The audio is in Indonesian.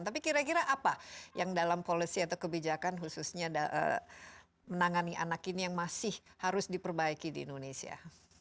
tapi kira kira apa yang dalam policy atau kebijakan khususnya menangani anak ini yang masih harus diperbaiki di indonesia